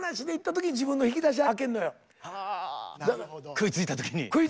食いついた時に。